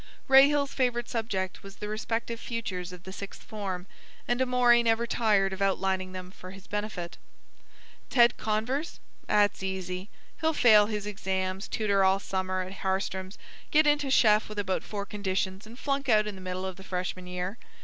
Rahill's favorite subject was the respective futures of the sixth form, and Amory never tired of outlining them for his benefit. "Ted Converse? 'At's easy. He'll fail his exams, tutor all summer at Harstrum's, get into Sheff with about four conditions, and flunk out in the middle of the freshman year.